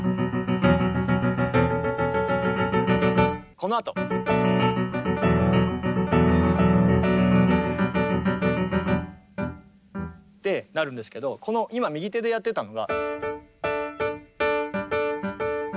このあと。ってなるんですけどこの今右手でやってたのが。